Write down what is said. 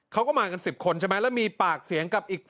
เขาก็มากัน๑๐คนใช่ไหมแล้วมีปากเสียงกับอีก